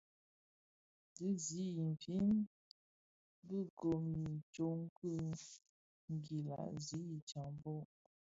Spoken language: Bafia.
Dhi zi I nfin bi gōn itsok ki nguila zi I tsaboň.